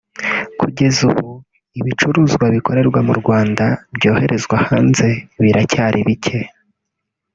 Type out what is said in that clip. Kugeza ubu ibicuruzwa bikorerwa mu Rwanda byoherezwa hanze biracyari bike